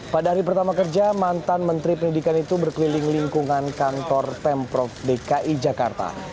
pada hari pertama kerja mantan menteri pendidikan itu berkeliling lingkungan kantor pemprov dki jakarta